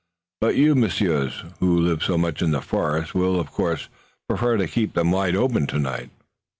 But you, messieurs, who live so much in the forest, will, of course, prefer to keep them wide open tonight."